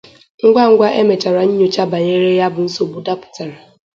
ngwangwa e mechara nnyocha banyere ya bụ nsogbu dapụtara.